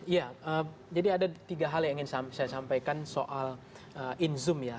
ya jadi ada tiga hal yang ingin saya sampaikan soal in zoom ya